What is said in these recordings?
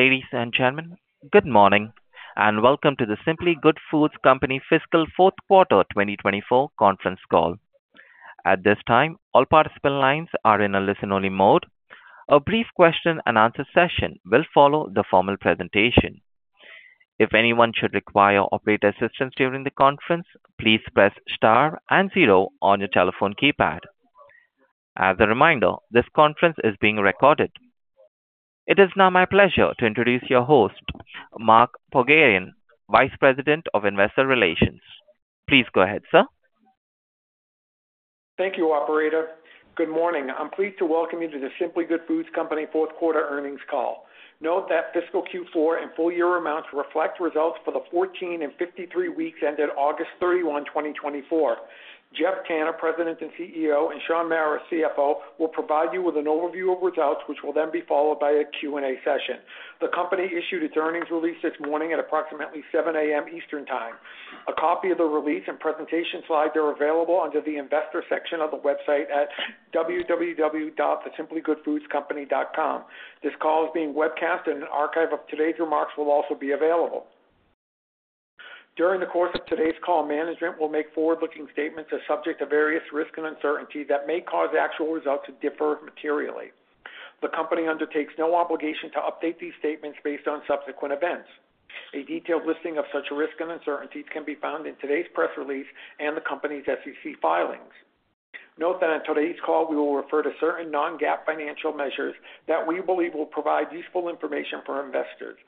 Ladies and gentlemen, good morning, and welcome to The Simply Good Foods Company fiscal Fourth Quarter 2024 conference call. At this time, all participant lines are in a listen-only mode. A brief question-and-answer session will follow the formal presentation. If anyone should require operator assistance during the conference, please press star and zero on your telephone keypad. As a reminder, this conference is being recorded. It is now my pleasure to introduce your host, Mark Pogharian, Vice President of Investor Relations. Please go ahead, sir. Thank you, operator. Good morning. I'm pleased to welcome you to The Simply Good Foods Company fourth quarter earnings call. Note that fiscal Q4 and full year amounts reflect results for the 14 and 53 weeks ended August 31, 2024. Geoff Tanner, President and CEO, and Shaun Mara, CFO, will provide you with an overview of results, which will then be followed by a Q&A session. The company issued its earnings release this morning at approximately 7 A.M. Eastern Time. A copy of the release and presentation slides are available under the Investors section of the website at www.thesimplygoodfoodscompany.com. This call is being webcast, and an archive of today's remarks will also be available. During the course of today's call, management will make forward-looking statements as subject to various risks and uncertainties that may cause actual results to differ materially. The company undertakes no obligation to update these statements based on subsequent events. A detailed listing of such risks and uncertainties can be found in today's press release and the company's SEC filings. Note that on today's call, we will refer to certain non-GAAP financial measures that we believe will provide useful information for our investors.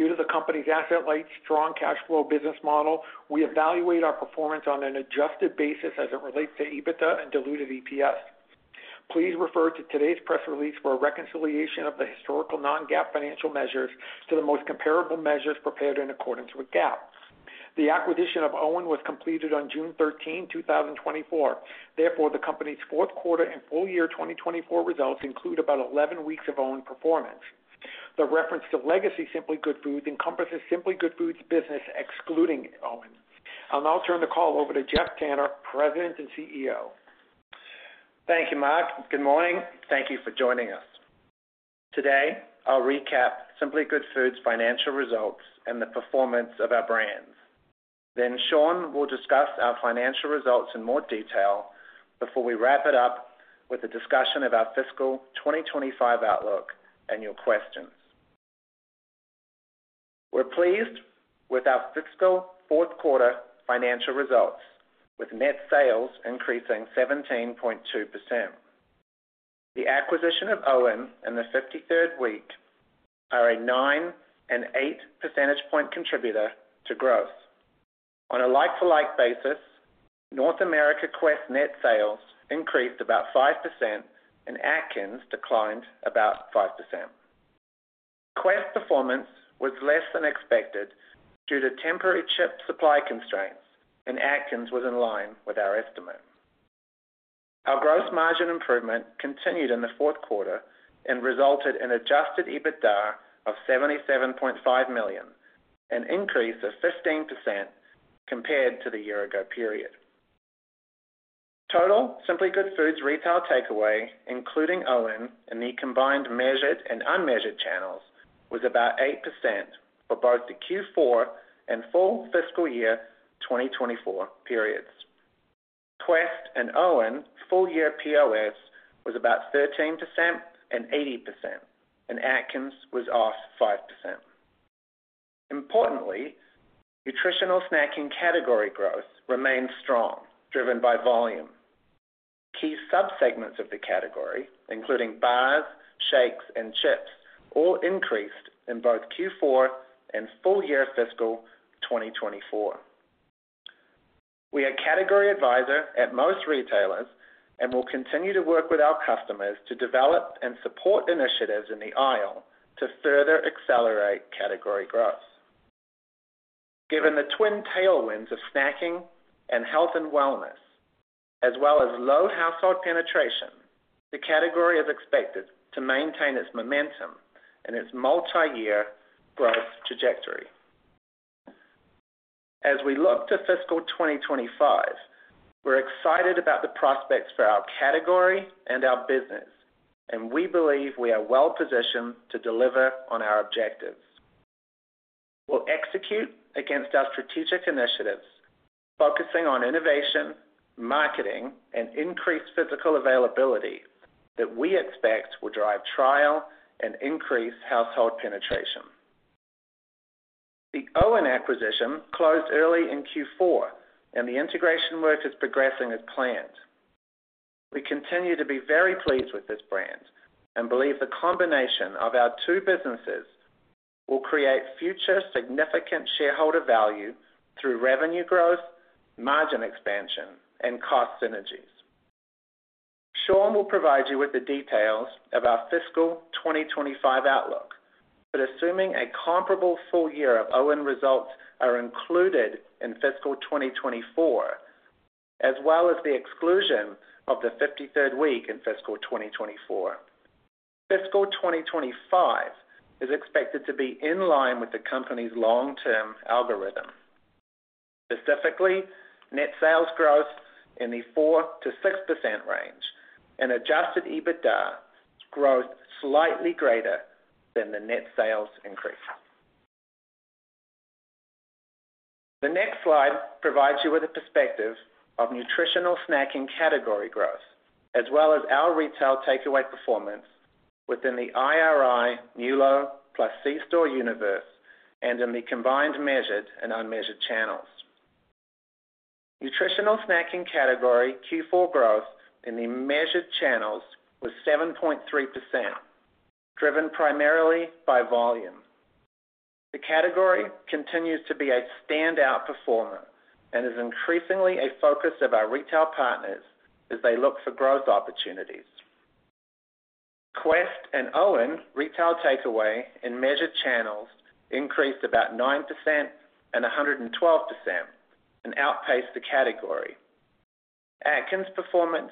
Due to the company's asset-light, strong cash flow business model, we evaluate our performance on an adjusted basis as it relates to EBITDA and diluted EPS. Please refer to today's press release for a reconciliation of the historical non-GAAP financial measures to the most comparable measures prepared in accordance with GAAP. The acquisition of OWYN was completed on June 13, 2024. Therefore, the company's fourth quarter and full year 2024 results include about eleven weeks of OWYN performance. The reference to legacy Simply Good Foods encompasses Simply Good Foods business, excluding OWYN. I'll now turn the call over to Geoff Tanner, President and CEO. Thank you, Mark. Good morning. Thank you for joining us. Today, I'll recap Simply Good Foods' financial results and the performance of our brands. Then Shaun will discuss our financial results in more detail before we wrap it up with a discussion of our fiscal 2025 outlook and your questions. We're pleased with our fiscal fourth quarter financial results, with net sales increasing 17.2%. The acquisition of OWYN in the 53rd week are a 9- and 8-percentage-point contributor to growth. On a like-for-like basis, North America Quest net sales increased about 5%, and Atkins declined about 5%. Quest performance was less than expected due to temporary chip supply constraints, and Atkins was in line with our estimate. Our gross margin improvement continued in the fourth quarter and resulted in Adjusted EBITDA of $77.5 million, an increase of 15% compared to the year-ago period. Total Simply Good Foods retail takeaway, including OWYN, in the combined measured and unmeasured channels, was about 8% for both the Q4 and full fiscal year 2024 periods. Quest and OWYN full year POS was about 13% and 80%, and Atkins was off 5%. Importantly, nutritional snacking category growth remains strong, driven by volume. Key subsegments of the category, including bars, shakes, and chips, all increased in both Q4 and full year fiscal 2024. We are category advisor at most retailers and will continue to work with our customers to develop and support initiatives in the aisle to further accelerate category growth. Given the twin tailwinds of snacking and health and wellness, as well as low household penetration, the category is expected to maintain its momentum and its multiyear growth trajectory. As we look to fiscal 2025, we're excited about the prospects for our category and our business, and we believe we are well positioned to deliver on our objectives. We'll execute against our strategic initiatives, focusing on innovation, marketing, and increased physical availability that we expect will drive trial and increase household penetration. The OWYN acquisition closed early in Q4, and the integration work is progressing as planned. We continue to be very pleased with this brand and believe the combination of our two businesses will create future significant shareholder value through revenue growth, margin expansion, and cost synergies. Shaun will provide you with the details of our fiscal 2025 outlook, but assuming a comparable full year of OWYN results are included in fiscal 2024, as well as the exclusion of the fifty-third week in fiscal 2024, fiscal 2025 is expected to be in line with the company's long-term algorithm. Specifically, net sales growth in the 4%-6% range and Adjusted EBITDA growth slightly greater than the net sales increase. The next slide provides you with a perspective of nutritional snacking category growth, as well as our retail takeaway performance within the IRI, Nielsen, plus C-store universe, and in the combined measured and unmeasured channels. Nutritional snacking category Q4 growth in the measured channels was 7.3%, driven primarily by volume. The category continues to be a standout performer and is increasingly a focus of our retail partners as they look for growth opportunities. Quest and OWYN retail takeaway in measured channels increased about 9% and 112% and outpaced the category. Atkins performance,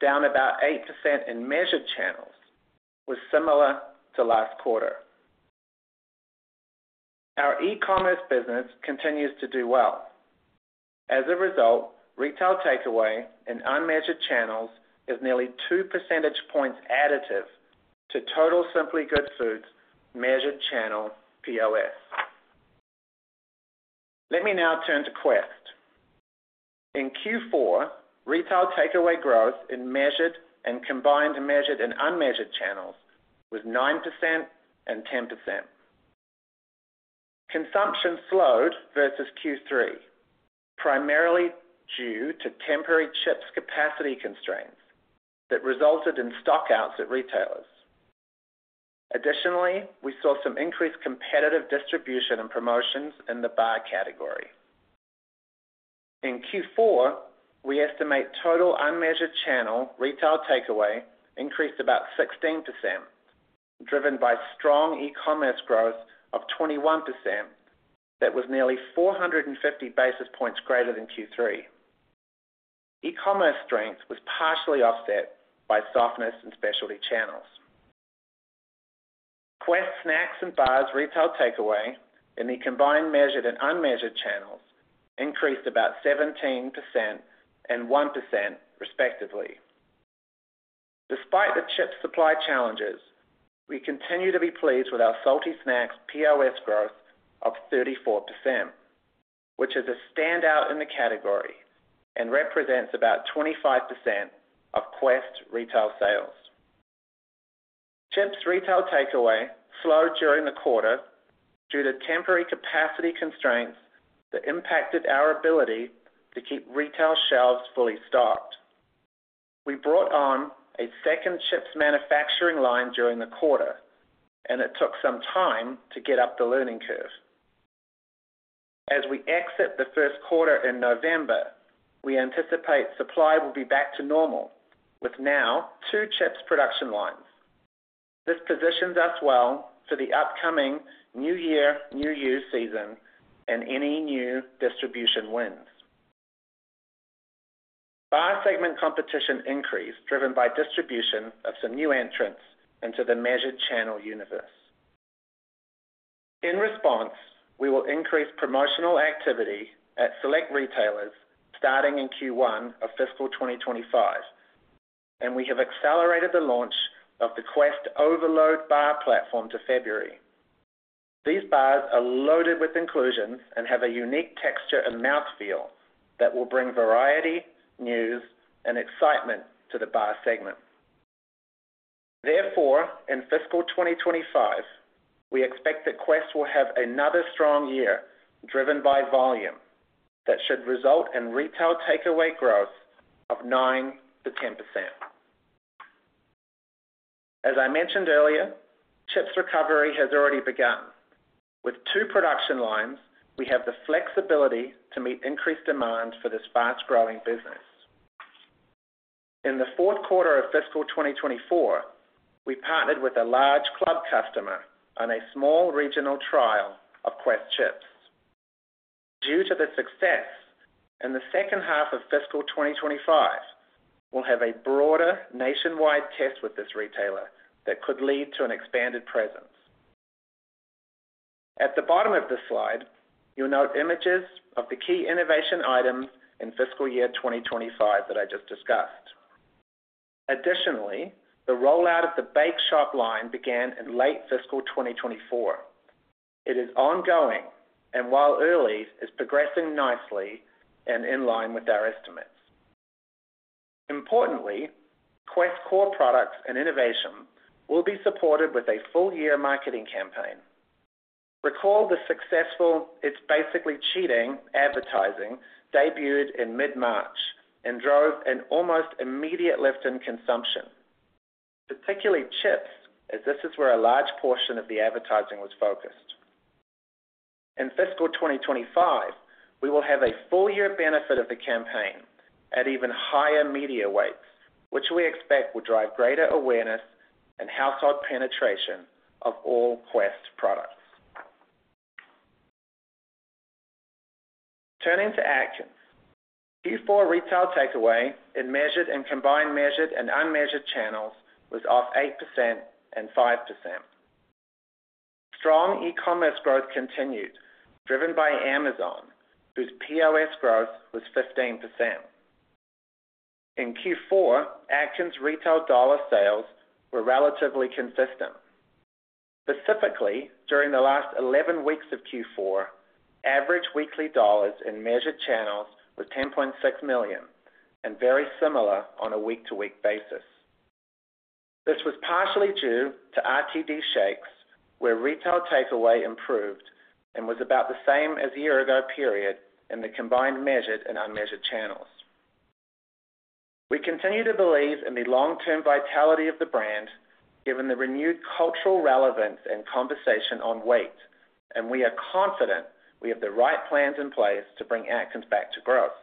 down about 8% in measured channels, was similar to last quarter. Our e-commerce business continues to do well. As a result, retail takeaway in unmeasured channels is nearly two percentage points additive to total Simply Good Foods measured channel POS. Let me now turn to Quest. In Q4, retail takeaway growth in measured and combined measured and unmeasured channels was 9% and 10%. Consumption slowed versus Q3, primarily due to temporary chips capacity constraints that resulted in stock outs at retailers. Additionally, we saw some increased competitive distribution and promotions in the bar category. In Q4, we estimate total unmeasured channel retail takeaway increased about 16%, driven by strong e-commerce growth of 21%. That was nearly four hundred and fifty basis points greater than Q3. E-commerce strength was partially offset by softness in specialty channels. Quest Snacks and Bars retail takeaway in the combined measured and unmeasured channels increased about 17% and 1%, respectively. Despite the chip supply challenges, we continue to be pleased with our salty snacks POS growth of 34%, which is a standout in the category and represents about 25% of Quest retail sales. Chips retail takeaway slowed during the quarter due to temporary capacity constraints that impacted our ability to keep retail shelves fully stocked. We brought on a second chips manufacturing line during the quarter, and it took some time to get up the learning curve. As we exit the first quarter in November, we anticipate supply will be back to normal, with now two chips production lines. This positions us well for the upcoming New Year, New You season and any new distribution wins. Bar segment competition increased, driven by distribution of some new entrants into the measured channel universe. In response, we will increase promotional activity at select retailers starting in Q1 of fiscal 2025, and we have accelerated the launch of the Quest Overloaded Bar platform to February. These bars are loaded with inclusions and have a unique texture and mouth feel that will bring variety, news, and excitement to the bar segment. Therefore, in fiscal 2025, we expect that Quest will have another strong year, driven by volume, that should result in retail takeaway growth of 9%-10%. As I mentioned earlier, chips recovery has already begun. With two production lines, we have the flexibility to meet increased demand for this fast-growing business. In the fourth quarter of fiscal 2024, we partnered with a large club customer on a small regional trial of Quest chips. Due to the success, in the second half of fiscal 2025, we'll have a broader nationwide test with this retailer that could lead to an expanded presence. At the bottom of this slide, you'll note images of the key innovation items in fiscal year 2025 that I just discussed. Additionally, the rollout of the Bake Shop line began in late fiscal 2024. It is ongoing, and while early, is progressing nicely and in line with our estimates. Importantly, Quest core products and innovation will be supported with a full-year marketing campaign. Recall the successful It's Basically Cheating advertising debuted in mid-March and drove an almost immediate lift in consumption, particularly chips, as this is where a large portion of the advertising was focused. In fiscal 2025, we will have a full year benefit of the campaign at even higher media weights, which we expect will drive greater awareness and household penetration of all Quest products. Turning to Atkins. Q4 retail takeaway in measured and combined measured and unmeasured channels was off 8% and 5%. Strong e-commerce growth continued, driven by Amazon, whose POS growth was 15%. In Q4, Atkins retail dollar sales were relatively consistent. Specifically, during the last 11 weeks of Q4, average weekly dollars in measured channels were $10.6 million, and very similar on a week-to-week basis. This was partially due to RTD shakes, where retail takeaway improved and was about the same as the year ago period in the combined measured and unmeasured channels. We continue to believe in the long-term vitality of the brand, given the renewed cultural relevance and conversation on weight, and we are confident we have the right plans in place to bring Atkins back to growth.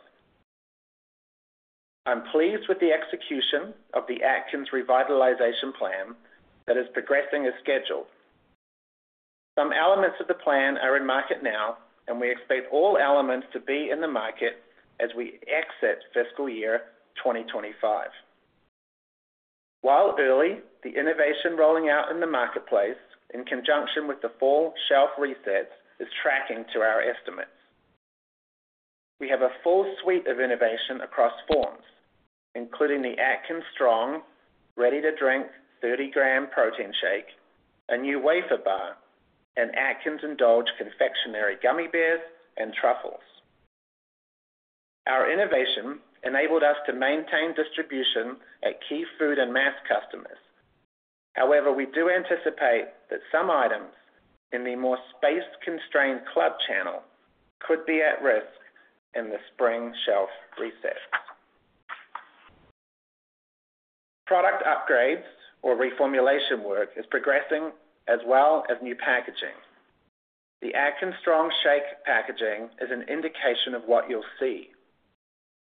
I'm pleased with the execution of the Atkins revitalization plan that is progressing as scheduled. Some elements of the plan are in market now, and we expect all elements to be in the market as we exit fiscal year 2025. While early, the innovation rolling out in the marketplace, in conjunction with the full shelf resets, is tracking to our estimates. We have a full suite of innovation across forms, including the Atkins Strong, ready to drink, thirty-gram protein shake, a new wafer bar, and Atkins Endulge confectionery gummy bears and truffles. Our innovation enabled us to maintain distribution at key food and mass customers. However, we do anticipate that some items in the more space-constrained club channel could be at risk in the spring shelf reset. Product upgrades or reformulation work is progressing as well as new packaging. The Atkins Strong Shake packaging is an indication of what you'll see.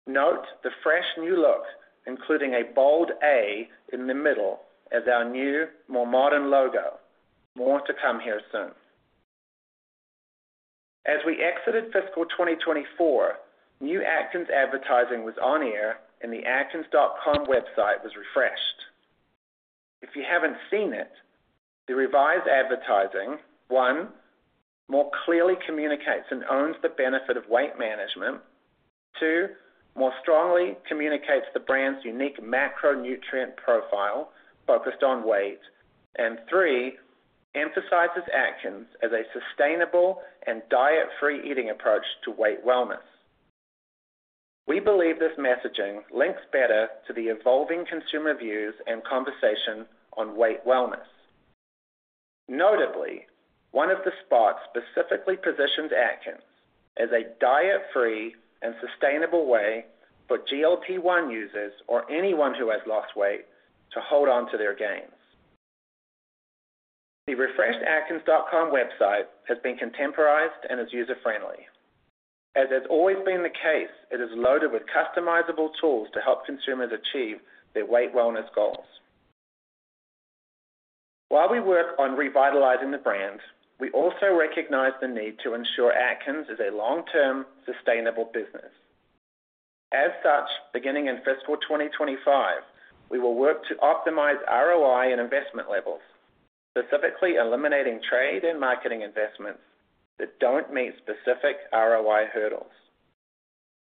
Note the fresh new look, including a bold A in the middle as our new, more modern logo. More to come here soon. As we exited fiscal 2024, new Atkins advertising was on air and the Atkins.com website was refreshed. If you haven't seen it, the revised advertising, one, more clearly communicates and owns the benefit of weight management. Two, more strongly communicates the brand's unique macronutrient profile focused on weight. And three, emphasizes Atkins as a sustainable and diet-free eating approach to weight wellness. We believe this messaging links better to the evolving consumer views and conversation on weight wellness. Notably, one of the spots specifically positioned Atkins as a diet-free and sustainable way for GLP-1 users or anyone who has lost weight to hold on to their gains. The refreshed Atkins.com website has been contemporized and is user-friendly. As has always been the case, it is loaded with customizable tools to help consumers achieve their weight wellness goals. While we work on revitalizing the brand, we also recognize the need to ensure Atkins is a long-term, sustainable business. As such, beginning in fiscal 2025, we will work to optimize ROI and investment levels, specifically eliminating trade and marketing investments that don't meet specific ROI hurdles.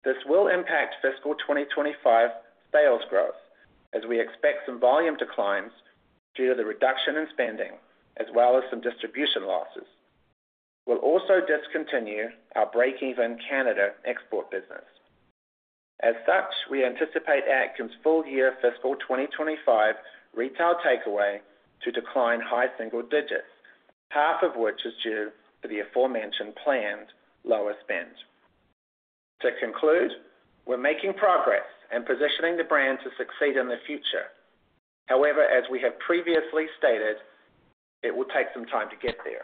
This will impact fiscal 2025 sales growth as we expect some volume declines due to the reduction in spending as well as some distribution losses. We'll also discontinue our breakeven Canada export business. As such, we anticipate Atkins full year fiscal 2025 retail takeaway to decline high single digits, half of which is due to the aforementioned planned lower spend. To conclude, we're making progress and positioning the brand to succeed in the future. However, as we have previously stated, it will take some time to get there.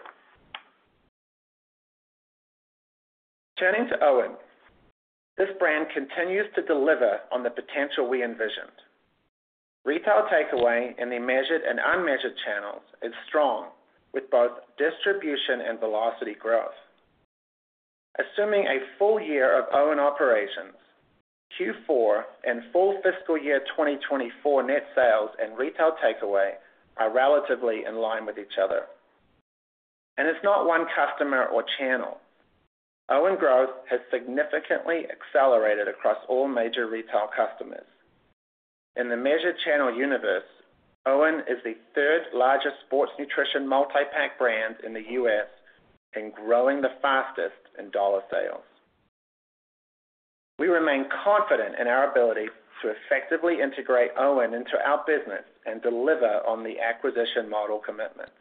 Turning to OWYN, this brand continues to deliver on the potential we envisioned. Retail takeaway in the measured and unmeasured channels is strong, with both distribution and velocity growth. Assuming a full year of OWYN operations, Q4 and full fiscal year 2024 net sales and retail takeaway are relatively in line with each other. It's not one customer or channel. OWYN growth has significantly accelerated across all major retail customers. In the measured channel universe, OWYN is the third largest sports nutrition multi-pack brand in the U.S. and growing the fastest in dollar sales. We remain confident in our ability to effectively integrate OWYN into our business and deliver on the acquisition model commitments.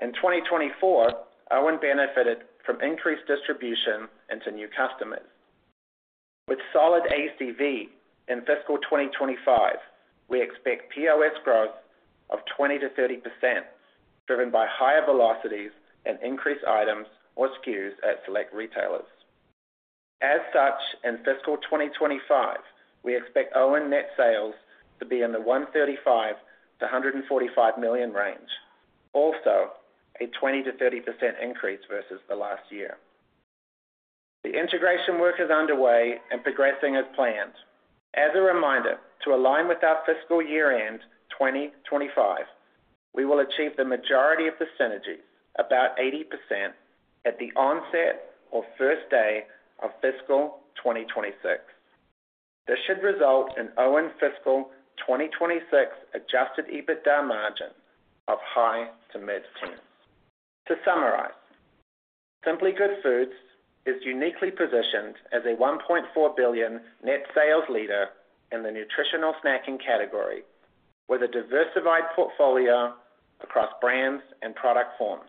In 2024, OWYN benefited from increased distribution into new customers. With solid ACV in fiscal 2025, we expect POS growth of 20%-30%, driven by higher velocities and increased items or SKUs at select retailers. As such, in fiscal 2025, we expect OWYN net sales to be in the $135 million-$145 million range. Also, a 20%-30% increase versus the last year. The integration work is underway and progressing as planned. As a reminder, to align with our fiscal year-end 2025, we will achieve the majority of the synergies, about 80%, at the onset or first day of fiscal 2026. This should result in OWYN fiscal 2026 Adjusted EBITDA margin of high to mid-teens. To summarize, Simply Good Foods is uniquely positioned as a 1.4 billion net sales leader in the nutritional snacking category, with a diversified portfolio across brands and product forms.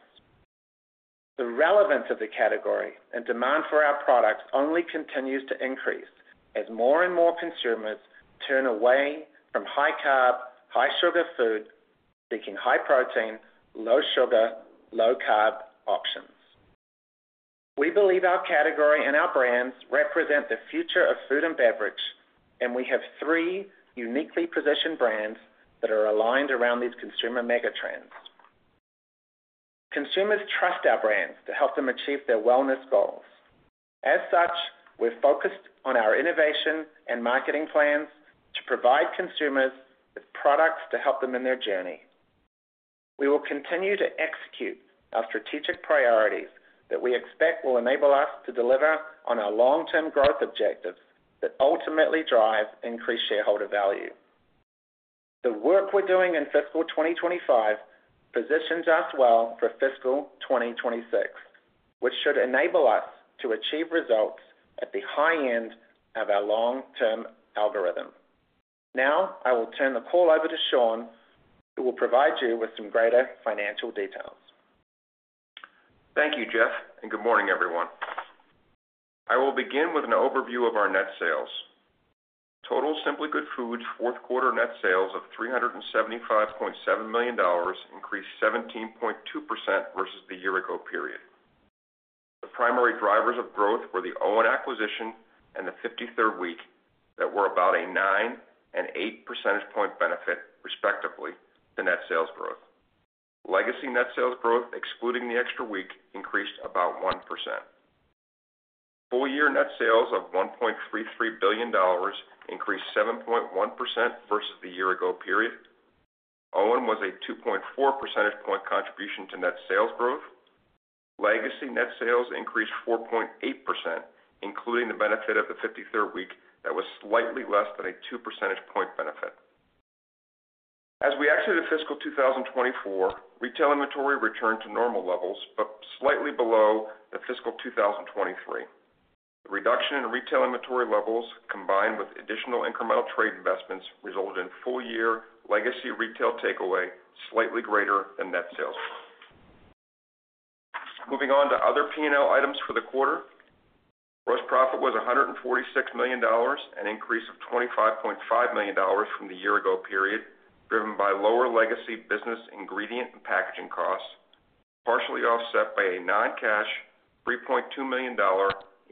The relevance of the category and demand for our products only continues to increase as more and more consumers turn away from high carb, high sugar food, seeking high protein, low sugar, low carb options. We believe our category and our brands represent the future of food and beverage, and we have three uniquely positioned brands that are aligned around these consumer megatrends. Consumers trust our brands to help them achieve their wellness goals. As such, we're focused on our innovation and marketing plans to provide consumers with products to help them in their journey. We will continue to execute our strategic priorities that we expect will enable us to deliver on our long-term growth objectives that ultimately drive increased shareholder value. The work we're doing in fiscal 2025 positions us well for fiscal 2026, which should enable us to achieve results at the high end of our long-term algorithm. Now, I will turn the call over to Shaun, who will provide you with some greater financial details. Thank you, Geoff, and good morning, everyone. I will begin with an overview of our net sales. Total Simply Good Foods' fourth quarter net sales of $375.7 million increased 17.2% versus the year ago period. The primary drivers of growth were the OWYN acquisition and the 53rd week that were about a nine and eight percentage point benefit, respectively, to net sales growth. Legacy net sales growth, excluding the extra week, increased about 1%. Full year net sales of $1.33 billion increased 7.1% versus the year ago period. OWYN was a 2.4 percentage point contribution to net sales growth. Legacy net sales increased 4.8%, including the benefit of the 53rd week, that was slightly less than a two percentage point benefit. As we exited fiscal 2024, retail inventory returned to normal levels, but slightly below the fiscal 2023. The reduction in retail inventory levels, combined with additional incremental trade investments, resulted in full year legacy retail takeaway, slightly greater than net sales. Moving on to other P&L items for the quarter. Gross profit was $146 million, an increase of $25.5 million from the year ago period, driven by lower legacy business ingredient and packaging costs, partially offset by a non-cash $3.2 million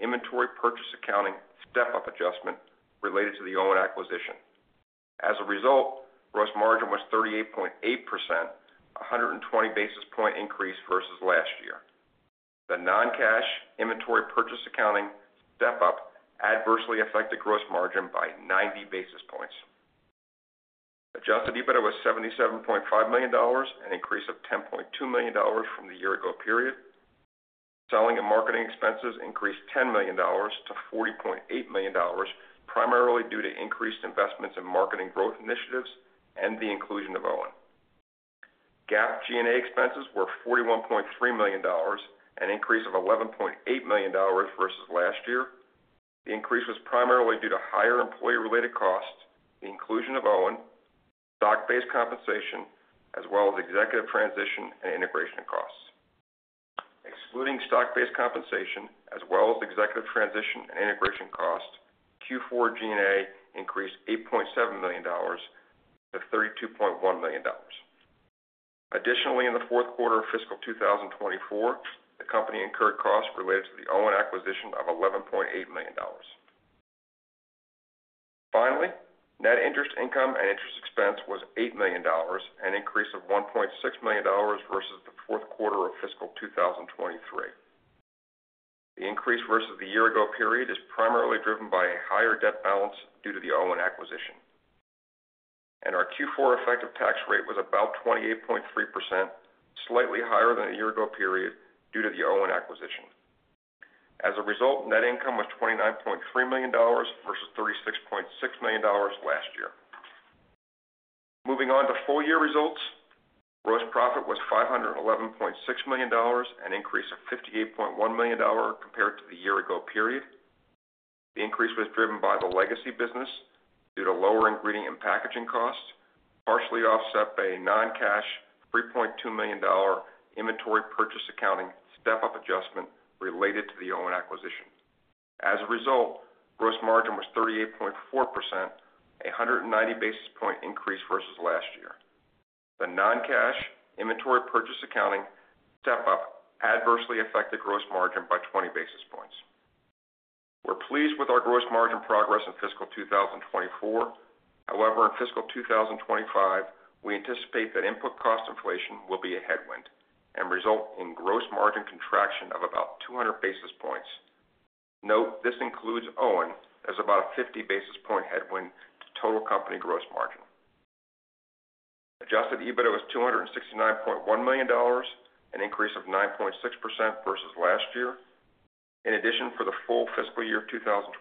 inventory purchase accounting step-up adjustment related to the OWYN acquisition. As a result, gross margin was 38.8%, a 120 basis point increase versus last year. The non-cash inventory purchase accounting step-up adversely affected gross margin by 90 basis points. Adjusted EBITDA was $77.5 million, an increase of $10.2 million from the year ago period. Selling and marketing expenses increased $10 million-$40.8 million, primarily due to increased investments in marketing growth initiatives and the inclusion of OWYN. GAAP G&A expenses were $41.3 million, an increase of $11.8 million versus last year. The increase was primarily due to higher employee-related costs, the inclusion of OWYN, stock-based compensation, as well as executive transition and integration costs. Excluding stock-based compensation, as well as executive transition and integration costs, Q4 G&A increased $8.7 million-$32.1 million. Additionally, in the fourth quarter of fiscal 2024, the company incurred costs related to the OWYN acquisition of $11.8 million. Finally, net interest income and interest expense was $8 million, an increase of $1.6 million versus the fourth quarter of fiscal 2023. The increase versus the year ago period is primarily driven by a higher debt balance due to the OWYN acquisition. And our Q4 effective tax rate was about 28.3%, slightly higher than a year ago period due to the OWYN acquisition. As a result, net income was $29.3 million versus $36.6 million last year. Moving on to full year results. Gross profit was $511.6 million, an increase of $58.1 million compared to the year ago period. The increase was driven by the legacy business due to lower ingredient and packaging costs, partially offset by a non-cash $3.2 million inventory purchase accounting step-up adjustment related to the OWYN acquisition. As a result, gross margin was 38.4%, a 190 basis point increase versus last year. The non-cash inventory purchase accounting step-up adversely affected gross margin by 20 basis points. We're pleased with our gross margin progress in fiscal 2024. However, in fiscal 2025, we anticipate that input cost inflation will be a headwind and result in gross margin contraction of about 200 basis points. Note, this includes OWYN as about a 50 basis point headwind to total company gross margin. Adjusted EBITDA was $269.1 million, an increase of 9.6% versus last year. In addition, for the full fiscal year 2024,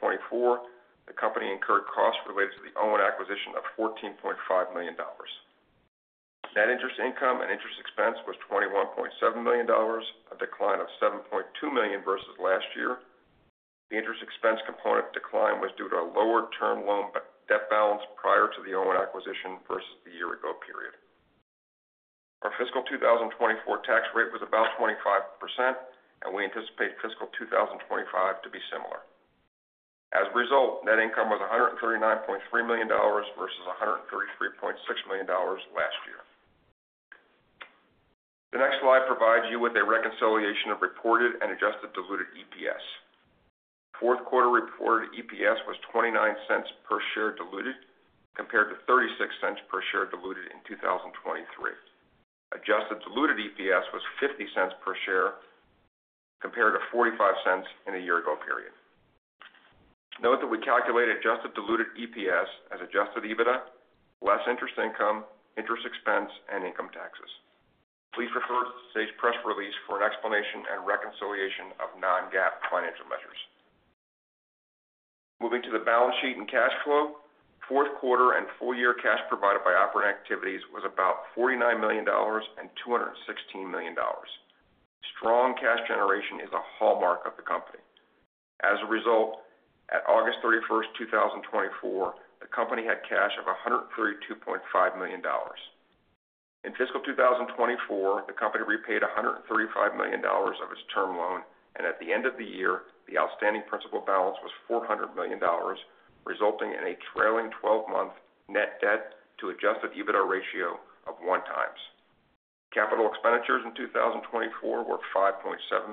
the company incurred costs related to the OWYN acquisition of $14.5 million. Net interest income and interest expense was $21.7 million, a decline of $7.2 million versus last year. The interest expense component decline was due to a lower term loan, but debt balance prior to the OWYN acquisition versus the year ago period. Our fiscal 2024 tax rate was about 25%, and we anticipate fiscal 2025 to be similar. As a result, net income was $139.3 million versus $133.6 million last year. The next slide provides you with a reconciliation of reported and adjusted diluted EPS. Fourth quarter reported EPS was $0.29 per diluted share, compared to $0.36 per diluted share in 2023. Adjusted diluted EPS was $0.50 per share, compared to $0.45 in a year ago period. Note that we calculate adjusted diluted EPS as adjusted EBITDA, less interest income, interest expense, and income taxes. Please refer to today's press release for an explanation and reconciliation of non-GAAP financial measures. Moving to the balance sheet and cash flow. Fourth quarter and full year cash provided by operating activities was about $49 million and $216 million. Strong cash generation is a hallmark of the company. As a result, at August 31, 2024, the company had cash of $132.5 million. In fiscal 2024, the company repaid $135 million of its term loan, and at the end of the year, the outstanding principal balance was $400 million, resulting in a trailing twelve-month net debt to adjusted EBITDA ratio of 1x. Capital expenditures in 2024 were $5.7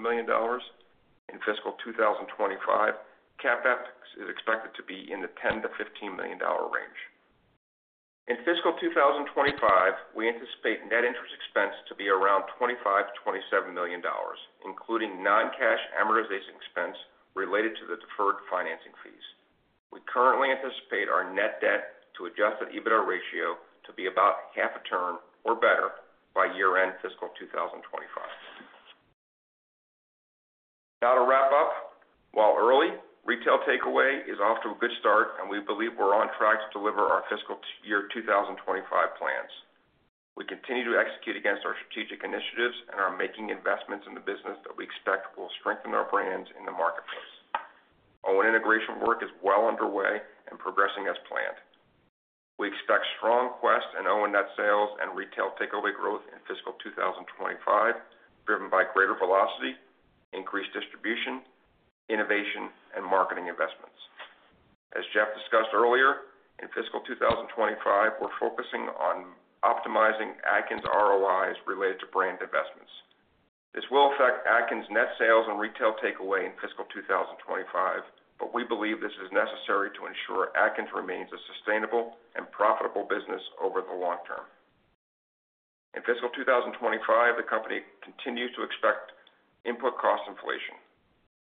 million. In fiscal 2025, CapEx is expected to be in the $10 million-$15 million range. In fiscal 2025, we anticipate net interest expense to be around $25 million-$27 million, including non-cash amortization expense related to the deferred financing fees. We currently anticipate our net debt to adjusted EBITDA ratio to be about 0.5x or better by year-end fiscal 2025. Now to wrap up. While early, retail takeaway is off to a good start, and we believe we're on track to deliver our fiscal year 2025 plans. We continue to execute against our strategic initiatives and are making investments in the business that we expect will strengthen our brands in the marketplace. Our integration work is well underway and progressing as planned. We expect strong Quest and OWYN net sales and retail takeaway growth in fiscal 2025, driven by greater velocity, increased distribution, innovation, and marketing investments. As Geoff discussed earlier, in fiscal 2025, we're focusing on optimizing Atkins ROIs related to brand investments. This will affect Atkins net sales and retail takeaway in fiscal 2025, but we believe this is necessary to ensure Atkins remains a sustainable and profitable business over the long term. In fiscal 2025, the company continues to expect input cost inflation.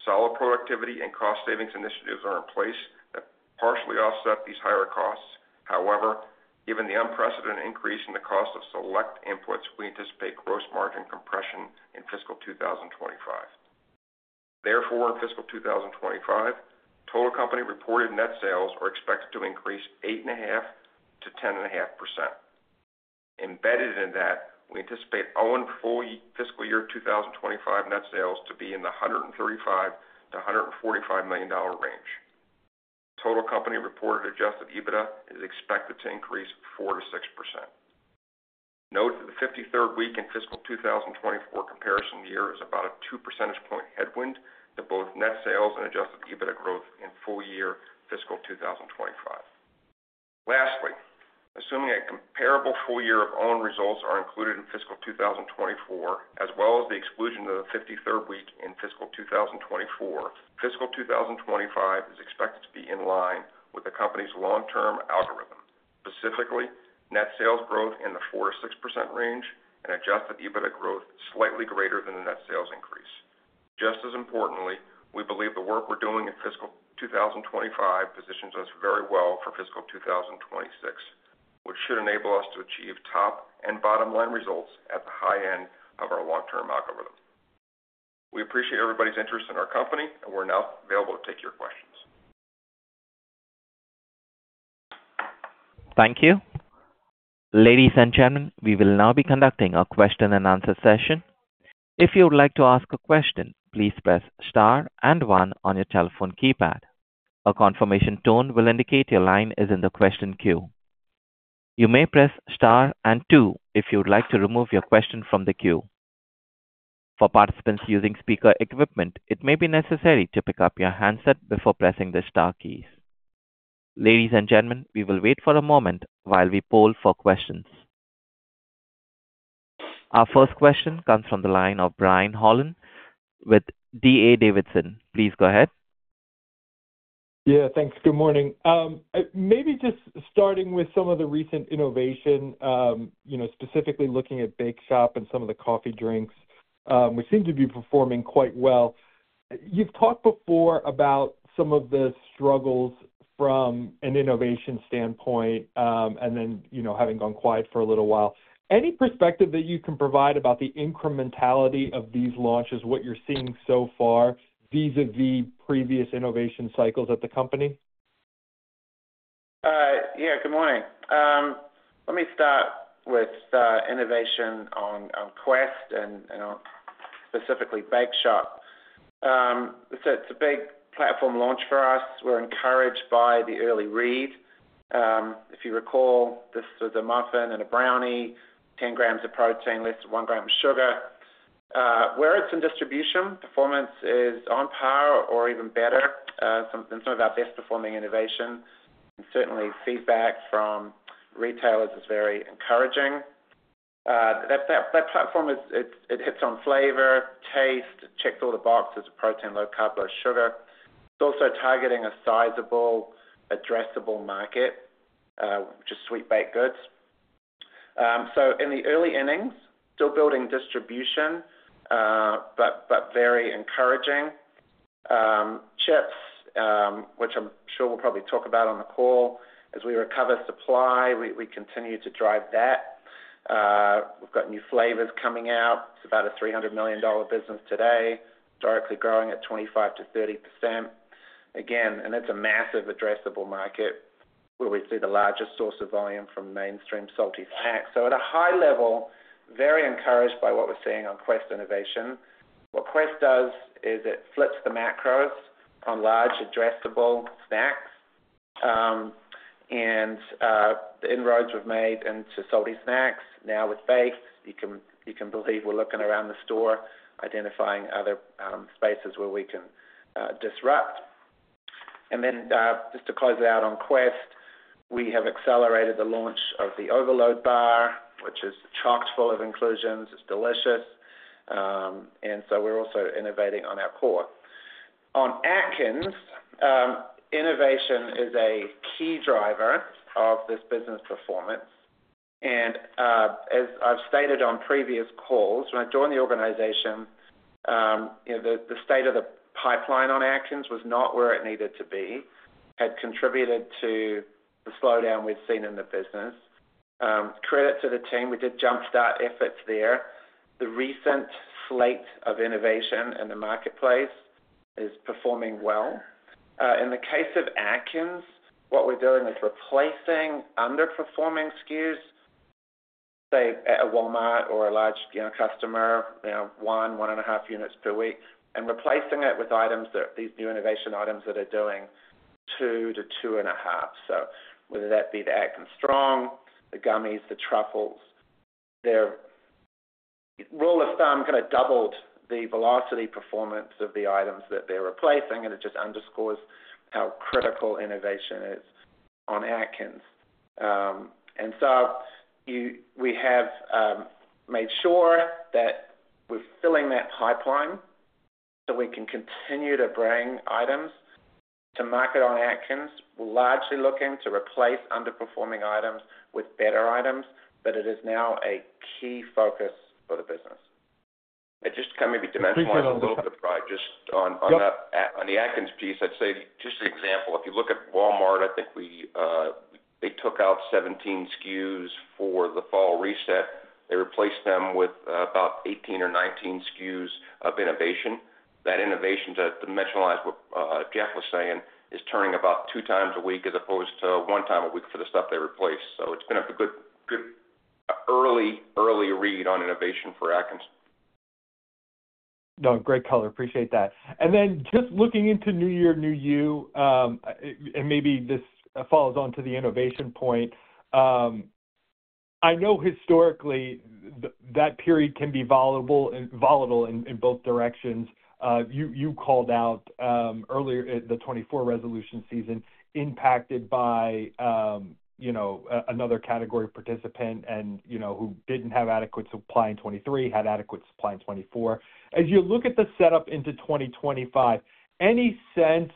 Solid productivity and cost savings initiatives are in place that partially offset these higher costs. However, given the unprecedented increase in the cost of select inputs, we anticipate gross margin compression in fiscal 2025. Therefore, in fiscal 2025, total company reported net sales are expected to increase 8.5%-10.5%. Embedded in that, we anticipate our full fiscal year 2025 net sales to be in the $135 million-$145 million range. Total company reported adjusted EBITDA is expected to increase 4%-6%. Note that the fifty-third week in fiscal 2024 comparison year is about a two percentage point headwind to both net sales and adjusted EBITDA growth in full year fiscal 2025. Lastly, assuming a comparable full year of OWYN results are included in fiscal 2024, as well as the exclusion of the fifty-third week in fiscal 2024, fiscal 2025 is expected to be in line with the company's long-term algorithm. Specifically, net sales growth in the 4%-6% range and adjusted EBITDA growth slightly greater than the net sales increase. Just as importantly, we believe the work we're doing in fiscal 2025 positions us very well for fiscal 2026, which should enable us to achieve top and bottom line results at the high end of our long-term algorithm. We appreciate everybody's interest in our company, and we're now available to take your questions. Thank you. Ladies and gentlemen, we will now be conducting a question and answer session. If you would like to ask a question, please press star and one on your telephone keypad. A confirmation tone will indicate your line is in the question queue. You may press star and two if you would like to remove your question from the queue. For participants using speaker equipment, it may be necessary to pick up your handset before pressing the star keys. Ladies and gentlemen, we will wait for a moment while we poll for questions... Our first question comes from the line of Brian Holland with D.A. Davidson. Please go ahead. Yeah, thanks. Good morning. Maybe just starting with some of the recent innovation, you know, specifically looking at Bake Shop and some of the coffee drinks, which seem to be performing quite well. You've talked before about some of the struggles from an innovation standpoint, and then, you know, having gone quiet for a little while. Any perspective that you can provide about the incrementality of these launches, what you're seeing so far, vis-a-vis previous innovation cycles at the company? Yeah, good morning. Let me start with innovation on Quest and specifically Bake Shop. So it's a big platform launch for us. We're encouraged by the early read. If you recall, this was a muffin and a brownie, 10 grams of protein, less than 1 gram of sugar. Where it's in distribution, performance is on par or even better than some of our best-performing innovations. And certainly, feedback from retailers is very encouraging. That platform hits on flavor, taste, checks all the boxes, protein, low carb, low sugar. It's also targeting a sizable, addressable market, which is sweet baked goods. So in the early innings, still building distribution, but very encouraging. Chips, which I'm sure we'll probably talk about on the call. As we recover supply, we continue to drive that. We've got new flavors coming out. It's about a $300 million business today, directly growing at 25%-30%. Again, and that's a massive addressable market, where we see the largest source of volume from mainstream salty snacks. So at a high level, very encouraged by what we're seeing on Quest innovation. What Quest does is it flips the macros on large addressable snacks. And the inroads we've made into salty snacks, now with baked, you can believe we're looking around the store, identifying other spaces where we can disrupt. And then just to close it out on Quest, we have accelerated the launch of the Overload Bar, which is chock full of inclusions. It's delicious, and so we're also innovating on our core. On Atkins, innovation is a key driver of this business performance, and, as I've stated on previous calls, when I joined the organization, you know, the state of the pipeline on Atkins was not where it needed to be, had contributed to the slowdown we've seen in the business. Credit to the team, we did jump-start efforts there. The recent slate of innovation in the marketplace is performing well. In the case of Atkins, what we're doing is replacing underperforming SKUs, say, at a Walmart or a large, you know, customer, you know, one and a half units per week, and replacing it with items that these new innovation items that are doing two to two and a half. So whether that be the Atkins Strong, the gummies, the truffles, they've, rule of thumb, kind of doubled the velocity performance of the items that they're replacing, and it just underscores how critical innovation is on Atkins. And so we have made sure that we're filling that pipeline so we can continue to bring items to market on Atkins. We're largely looking to replace underperforming items with better items, but it is now a key focus for the business. And just to kind of maybe dimensionalize a little bit, Brian, just on that- Yep. On the Atkins piece, I'd say, just an example, if you look at Walmart, I think we, they took out 17 SKUs for the fall reset. They replaced them with about 18 or 19 SKUs of innovation. That innovation, to dimensionalize what Geoff was saying, is turning about two times a week as opposed to one time a week for the stuff they replaced. So it's been a good early read on innovation for Atkins. No, great color. Appreciate that. And then just looking into New Year, New You, and maybe this follows on to the innovation point. I know historically that period can be volatile in both directions. You called out earlier in the 2024 resolution season, impacted by you know, another category participant and, you know, who didn't have adequate supply in 2023, had adequate supply in 2024. As you look at the setup into 2025, any sense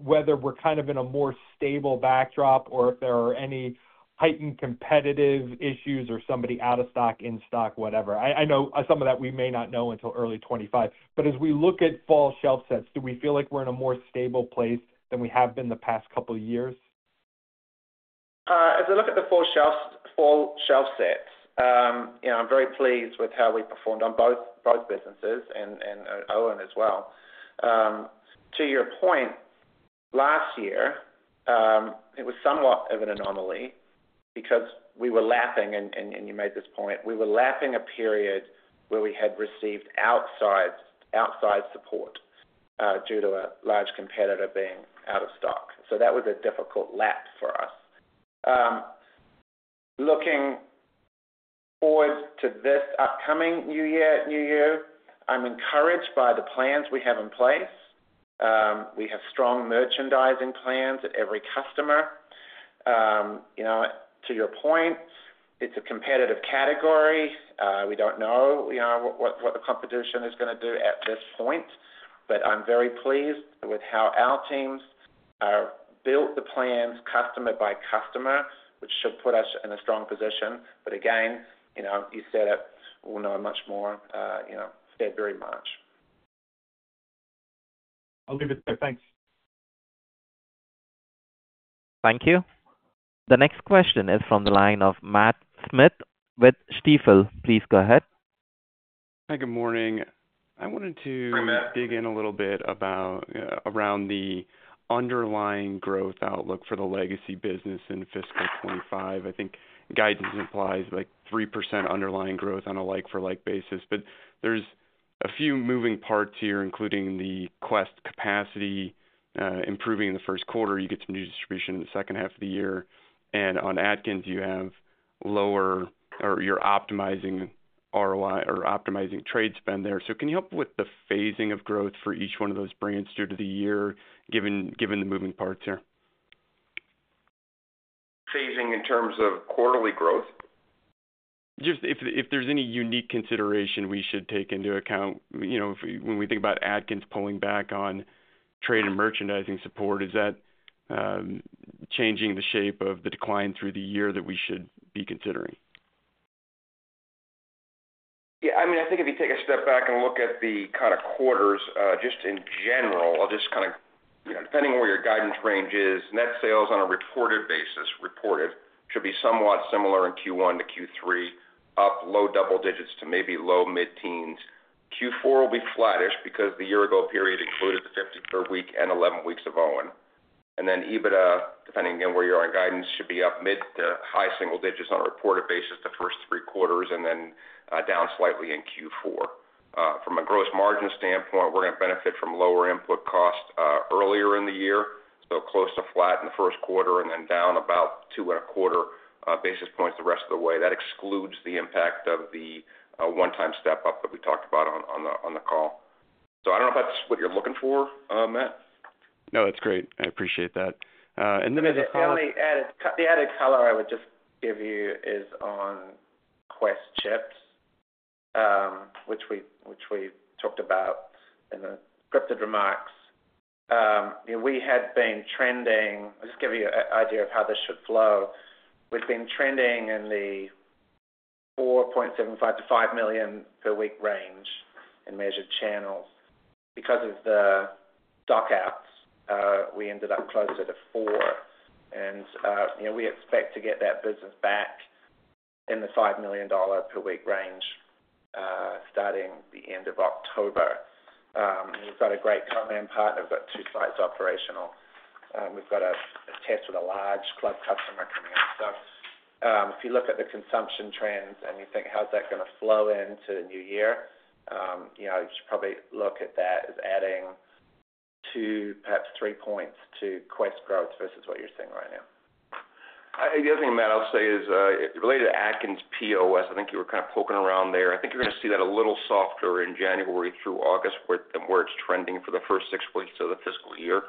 whether we're kind of in a more stable backdrop or if there are any heightened competitive issues or somebody out of stock, in stock, whatever? I know some of that we may not know until early 2025, but as we look at fall shelf sets, do we feel like we're in a more stable place than we have been the past couple of years? As I look at the fall shelf, fall shelf sets, you know, I'm very pleased with how we performed on both businesses and OWYN as well. To your point, last year, it was somewhat of an anomaly because we were lapping, and you made this point, we were lapping a period where we had received outside support due to a large competitor being out of stock. So that was a difficult lap for us. Looking forward to this upcoming new year, New Year, I'm encouraged by the plans we have in place. We have strong merchandising plans at every customer. You know, to your point, it's a competitive category. We don't know, you know, what the competition is gonna do at this point, but I'm very pleased with how our teams built the plans customer by customer, which should put us in a strong position. But again, you know, you said it, we'll know much more, you know, February, March. I'll leave it there. Thanks. Thank you. The next question is from the line of Matt Smith with Stifel. Please go ahead. Hi, good morning. I wanted to- Hi, Matt. Dig in a little bit about around the underlying growth outlook for the legacy business in fiscal 2025. I think guidance implies like 3% underlying growth on a like-for-like basis, but there's a few moving parts here, including the Quest capacity improving in the first quarter. You get some new distribution in the second half of the year, and on Atkins, you have lower or you're optimizing ROI or optimizing trade spend there. So can you help with the phasing of growth for each one of those brands through the year, given the moving parts here? Phasing in terms of quarterly growth? Just if there's any unique consideration we should take into account, you know, when we think about Atkins pulling back on trade and merchandising support, is that changing the shape of the decline through the year that we should be considering? Yeah, I mean, I think if you take a step back and look at the kind of quarters, just in general, I'll just kind of. You know, depending on where your guidance range is, net sales on a reported basis, reported, should be somewhat similar in Q1-Q3, up low double digits to maybe low mid-teens. Q4 will be flattish because the year-ago period included the 53rd week and 11 weeks of OWYN. And then EBITDA, depending again, where you are in guidance, should be up mid to high single digits on a reported basis the first three quarters and then, down slightly in Q4. From a gross margin standpoint, we're gonna benefit from lower input costs, earlier in the year, so close to flat in the first quarter and then down about 225 basis points the rest of the way. That excludes the impact of the one-time step-up that we talked about on the call. So I don't know if that's what you're looking for, Matt? No, it's great. I appreciate that. And then as a follow-up- The only added color I would just give you is on Quest chips, which we talked about in the scripted remarks. We had been trending. I'll just give you an idea of how this should flow. We've been trending in the $4.75 million-5 million per week range in measured channels. Because of the stock outs, we ended up closer to $4 million. And you know, we expect to get that business back in the $5 million per week range, starting the end of October. We've got a great co-man partner. We've got two sites operational. We've got a test with a large club customer coming up. So, if you look at the consumption trends and you think, how's that gonna flow into the new year? You know, you should probably look at that as adding two, perhaps three points to Quest growth versus what you're seeing right now. The other thing, Matt, I'll say is related to Atkins POS. I think you were kind of poking around there. I think you're gonna see that a little softer in January through August than where it's trending for the first six weeks of the fiscal year.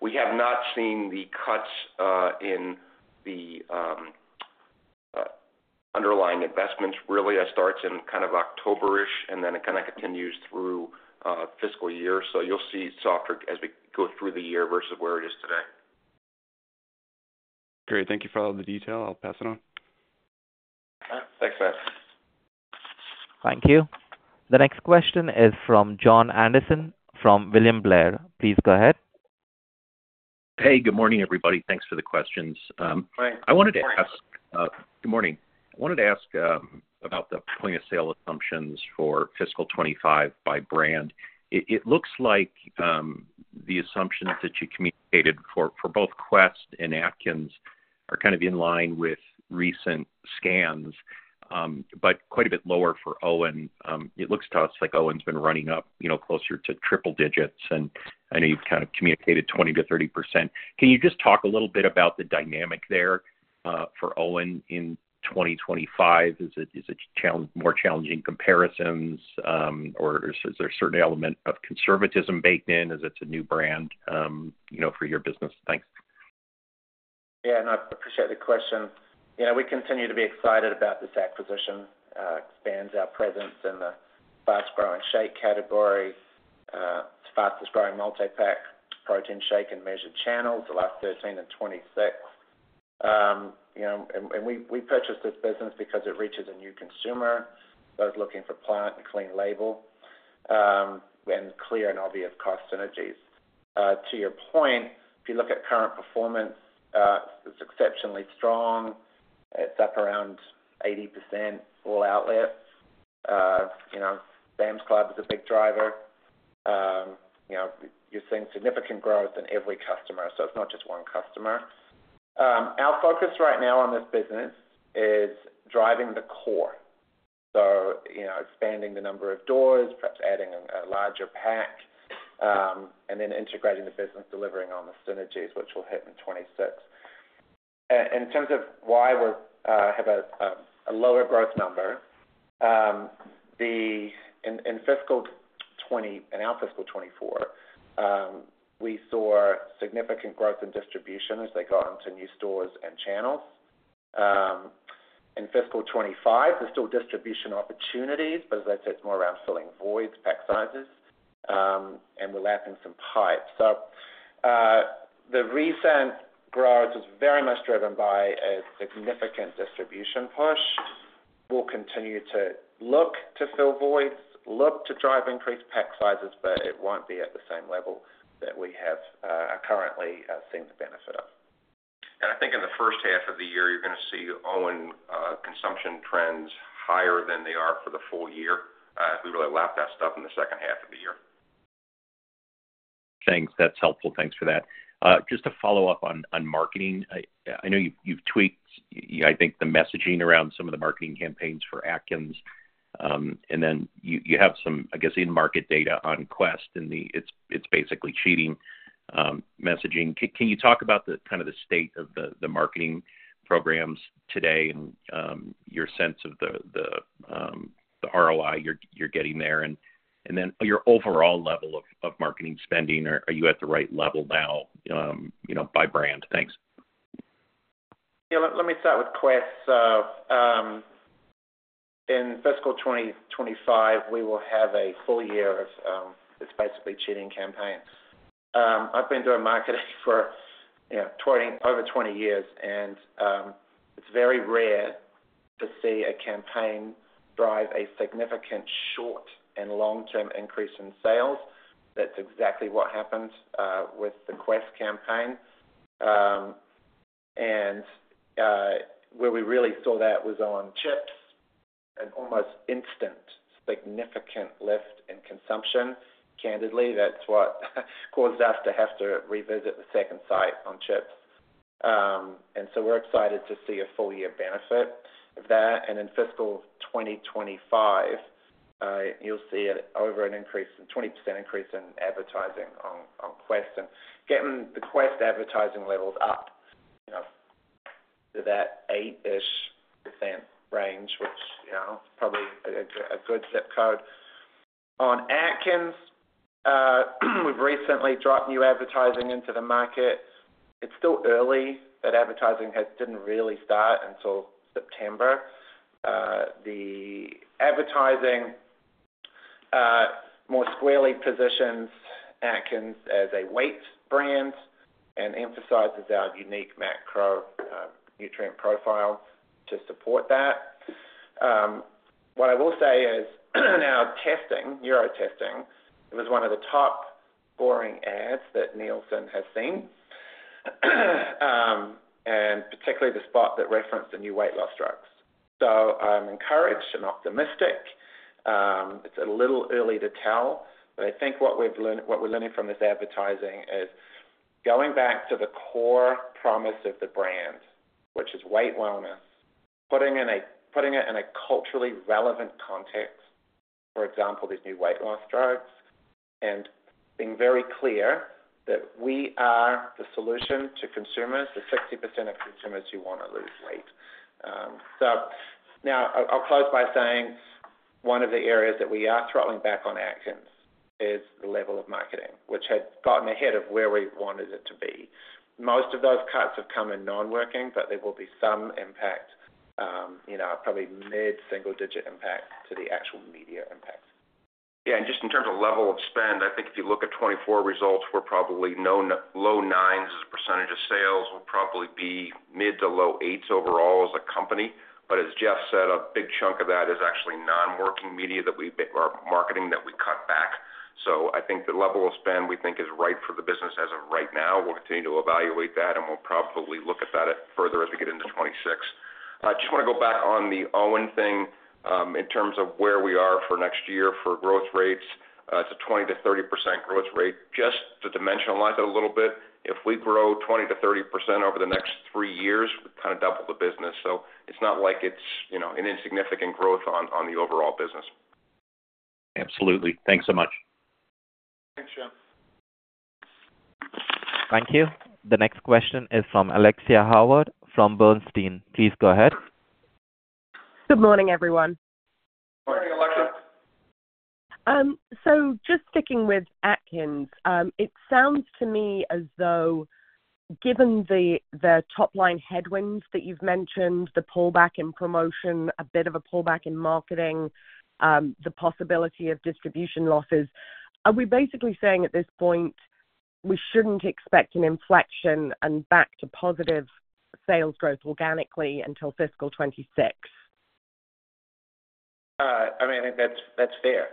We have not seen the cuts in the underlying investments, really. That starts in kind of October-ish, and then it kind of continues through fiscal year. So you'll see softer as we go through the year versus where it is today. Great. Thank you for all the detail. I'll pass it on. All right. Thanks, Matt. Thank you. The next question is from Jon Andersen, from William Blair. Please go ahead. Hey, good morning, everybody. Thanks for the questions. Hi. Good morning. I wanted to ask about the point of sale assumptions for fiscal 2025 by brand. It looks like the assumptions that you communicated for both Quest and Atkins are kind of in line with recent scans, but quite a bit lower for OWYN. It looks to us like OWYN's been running up, you know, closer to triple digits, and I know you've kind of communicated 20%-30%. Can you just talk a little bit about the dynamic there for OWYN in 2025? Is it more challenging comparisons, or is there a certain element of conservatism baked in as it's a new brand, you know, for your business? Thanks. Yeah, and I appreciate the question. You know, we continue to be excited about this acquisition. It expands our presence in the fast-growing shake category. It's the fastest-growing multi-pack protein shake in measured channels, the last 13 and 26. You know, and we purchased this business because it reaches a new consumer, both looking for plant and clean label, and clear and obvious cost synergies. To your point, if you look at current performance, it's exceptionally strong. It's up around 80% all outlets. You know, Sam's Club is a big driver. You know, you're seeing significant growth in every customer, so it's not just one customer. Our focus right now on this business is driving the core. You know, expanding the number of doors, perhaps adding a larger pack, and then integrating the business, delivering on the synergies, which will hit in 2026. In terms of why we have a lower growth number, in our fiscal 2024, we saw significant growth in distribution as they got into new stores and channels. In fiscal 2025, there's still distribution opportunities, but as I said, it's more around filling voids, pack sizes, and we're lapping some pipe. The recent growth is very much driven by a significant distribution push. We'll continue to look to fill voids, look to drive increased pack sizes, but it won't be at the same level that we have currently seen the benefit of. I think in the first half of the year, you're gonna see OWYN consumption trends higher than they are for the full year, as we really lap that stuff in the second half of the year. Thanks. That's helpful. Thanks for that. Just to follow up on marketing. I know you've tweaked, I think, the messaging around some of the marketing campaigns for Atkins. And then you have some, I guess, in-market data on Quest, and it's basically cheating messaging. Can you talk about the kind of the state of the marketing programs today and your sense of the ROI you're getting there? And then your overall level of marketing spending. Are you at the right level now, you know, by brand? Thanks. Yeah, let me start with Quest. So, in fiscal 2025, we will have a full year of this basically cheating campaign. I've been doing marketing for, you know, over 20 years, and it's very rare to see a campaign drive a significant short and long-term increase in sales. That's exactly what happened with the Quest campaign. And where we really saw that was on chips, an almost instant, significant lift in consumption. Candidly, that's what caused us to have to revisit the second site on chips. And so we're excited to see a full year benefit of that. And in fiscal 2025, you'll see over an increase, a 20% increase in advertising on Quest. Getting the Quest advertising levels up, you know, to that eight-ish percent range, which, you know, probably a good ZIP code. On Atkins, we've recently dropped new advertising into the market. It's still early, that advertising didn't really start until September. The advertising more squarely positions Atkins as a weight brand and emphasizes our unique macronutrient profile to support that. What I will say is, in our testing, neuro testing, it was one of the top-performing ads that Nielsen has seen, and particularly the spot that referenced the new weight loss drugs. So I'm encouraged and optimistic. It's a little early to tell, but I think what we're learning from this advertising is going back to the core promise of the brand, which is weight wellness, putting it in a culturally relevant context, for example, these new weight loss drugs, and being very clear that we are the solution to consumers, the 60% of consumers who wanna lose weight. So now, I'll close by saying one of the areas that we are throttling back on Atkins is the level of marketing, which had gotten ahead of where we wanted it to be. Most of those cuts have come in non-working, but there will be some impact, you know, probably mid-single digit impact to the actual media impact. Yeah, and just in terms of level of spend, I think if you look at 2024 results, we're probably now low 9s% of sales. We'll probably be mid- to low 8s% overall as a company. But as Geoff said, a big chunk of that is actually non-working media that we've, or marketing that we cut back. So I think the level of spend we think is right for the business as of right now. We'll continue to evaluate that, and we'll probably look at that further as we get into 2026. Just wanna go back on the OWYN thing, in terms of where we are for next year for growth rates. It's a 20%-30% growth rate. Just to dimensionalize it a little bit, if we grow 20%-30% over the next three years, we've kinda double the business. So it's not like it's, you know, an insignificant growth on the overall business. Absolutely. Thanks so much. Thanks, Geoff. Thank you. The next question is from Alexia Howard, from Bernstein. Please go ahead. Good morning, everyone. Morning, Alexia. So just sticking with Atkins, it sounds to me as though, given the top line headwinds that you've mentioned, the pullback in promotion, a bit of a pullback in marketing, the possibility of distribution losses, are we basically saying at this point, we shouldn't expect an inflection and back to positive sales growth organically until fiscal 2026? I mean, I think that's fair.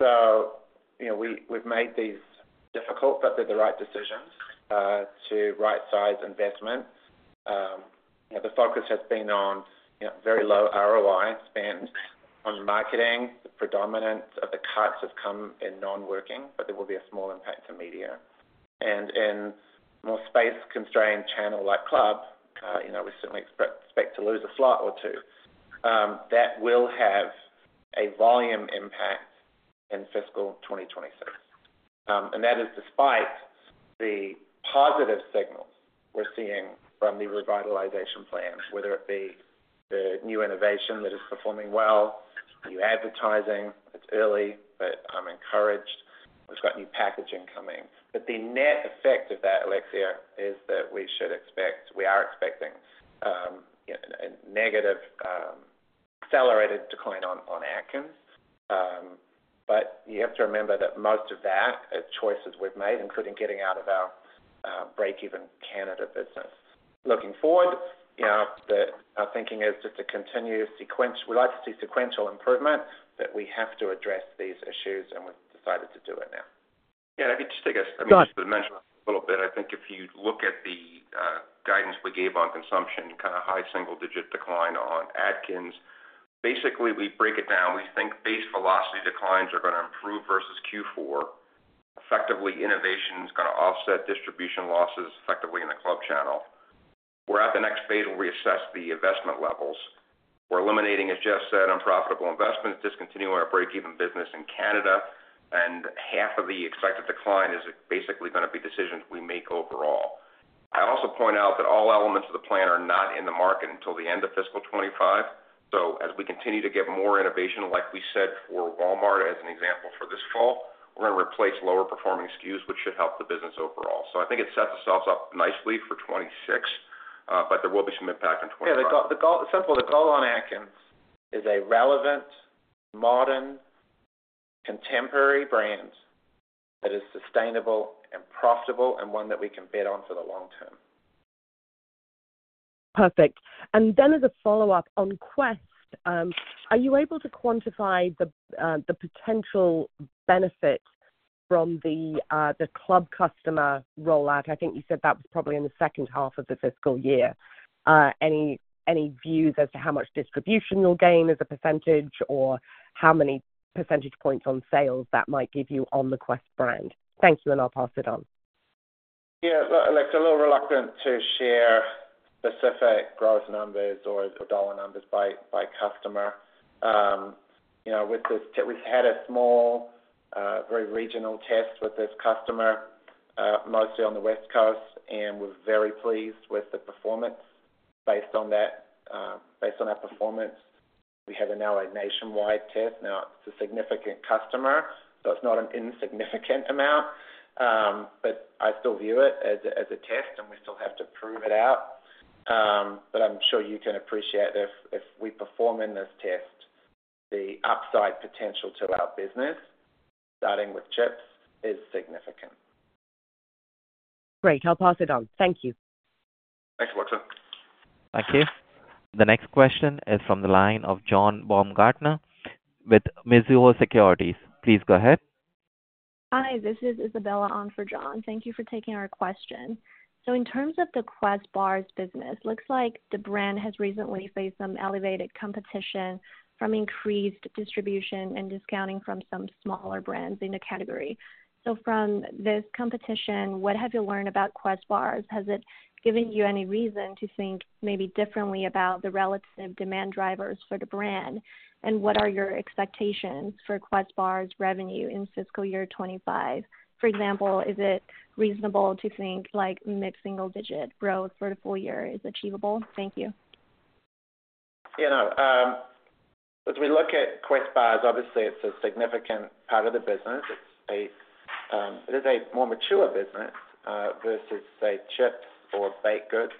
So you know, we, we've made these difficult, but they're the right decisions to right-size investments. You know, the focus has been on very low ROI spend on marketing. The predominance of the cuts have come in non-working, but there will be a small impact to media. And in more space-constrained channel like club, you know, we certainly expect to lose a slot or two. That will have a volume impact in fiscal 2026. And that is despite the positive signals we're seeing from the revitalization plan, whether it be the new innovation that is performing well, new advertising, it's early, but I'm encouraged. We've got new packaging coming. But the net effect of that, Alexia, is that we should expect. We are expecting, you know, a negative, accelerated decline on Atkins. But you have to remember that most of that are choices we've made, including getting out of our breakeven Canada business. Looking forward, you know, our thinking is just to continue sequential. We'd like to see sequential improvement, but we have to address these issues, and we've decided to do it now. Yeah, let me just take a- Go on. Let me just mention a little bit. I think if you look at the guidance we gave on consumption, kind of high single digit decline on Atkins. Basically, we break it down. We think base velocity declines are gonna improve versus Q4. Effectively, innovation is gonna offset distribution losses effectively in the club channel. We're at the next phase, where we assess the investment levels. We're eliminating, as Geoff said, unprofitable investments, discontinuing our breakeven business in Canada, and half of the expected decline is basically gonna be decisions we make overall. I'd also point out that all elements of the plan are not in the market until the end of fiscal 2025. So as we continue to get more innovation, like we said, for Walmart, as an example, for this fall, we're gonna replace lower performing SKUs, which should help the business overall. So I think it sets us up nicely for 2026, but there will be some impact on 2025. Yeah, the goal on Atkins is a relevant, modern, contemporary brand that is sustainable and profitable, and one that we can bet on for the long term. Perfect. And then as a follow-up, on Quest, are you able to quantify the potential benefits from the club customer rollout? I think you said that was probably in the second half of the fiscal year. Any views as to how much distribution you'll gain as a percentage, or how many percentage points on sales that might give you on the Quest brand? Thank you, and I'll pass it on. Yeah, look, Alexia, a little reluctant to share specific gross numbers or dollar numbers by, by customer. You know, with this we've had a small, very regional test with this customer, mostly on the West Coast, and we're very pleased with the performance. Based on that, based on that performance, we have now a nationwide test. Now, it's a significant customer, so it's not an insignificant amount, but I still view it as a, as a test, and we still have to prove it out. But I'm sure you can appreciate if, if we perform in this test, the upside potential to our business, starting with chips, is significant. Great. I'll pass it on. Thank you. Thanks, Alexia. Thank you. The next question is from the line of John Baumgartner with Mizuho Securities. Please go ahead. Hi, this is Isabella on for John. Thank you for taking our question. So in terms of the Quest Bars business, looks like the brand has recently faced some elevated competition from increased distribution and discounting from some smaller brands in the category. So from this competition, what have you learned about Quest Bars? Has it given you any reason to think maybe differently about the relative demand drivers for the brand? And what are your expectations for Quest Bars' revenue in fiscal year 2025? For example, is it reasonable to think like mid-single digit growth for the full year is achievable? Thank you. You know, as we look at Quest Bars, obviously, it's a significant part of the business. It's a, it is a more mature business, versus, say, chips or baked goods.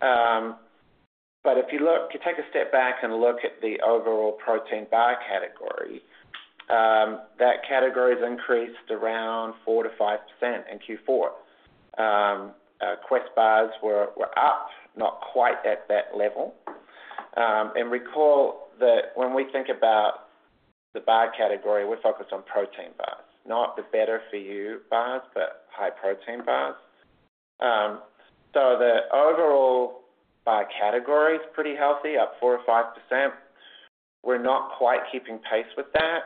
But if you look, you take a step back and look at the overall protein bar category, that category has increased around 4%-5% in Q4. Quest Bars were up, not quite at that level. And recall that when we think about the bar category, we're focused on protein bars, not the better-for-you bars, but high-protein bars. So the overall bar category is pretty healthy, up 4%-5%. We're not quite keeping pace with that.